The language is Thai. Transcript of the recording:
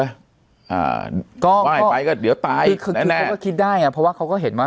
อ่าก็ไหว้ไปก็เดี๋ยวตายนี่คือเขาก็คิดได้อ่ะเพราะว่าเขาก็เห็นว่า